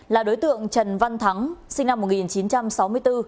là đối tượng trần văn thắng sinh năm một nghìn chín trăm sáu mươi bốn